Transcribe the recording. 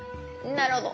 なるほど。